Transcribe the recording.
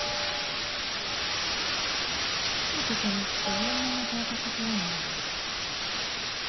勤めてたのって有名な大学病院だよね？